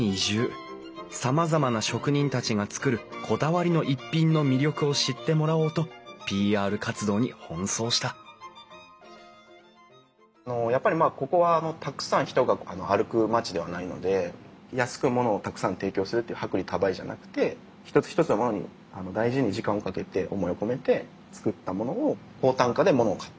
さまざまな職人たちが作るこだわりの逸品の魅力を知ってもらおうとＰＲ活動に奔走した安くものをたくさん提供するという薄利多売じゃなくてひとつひとつのものに大事に時間をかけて思いを込めて作ったものを高単価でものを買ってもらう。